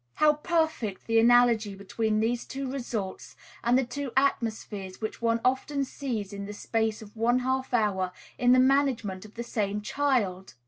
How perfect the analogy between these two results, and the two atmospheres which one often sees in the space of one half hour in the management of the same child!